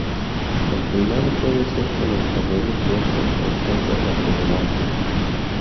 El peinado puede ser con el cabello suelto o trenzas hacia adelante.